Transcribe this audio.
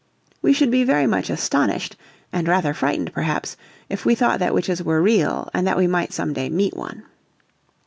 We should be very much astonished, and rather frightened perhaps, if we thought that witches were real, and that we might some day meet one.